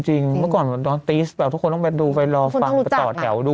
จริงเมื่อก่อนตอนทีสต์แบบทุกคนต้องไปดูไปรอฟังไปต่อแถวดู